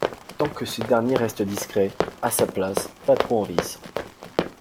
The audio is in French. tant que ce dernier reste discret, à sa place, pas trop envahissant.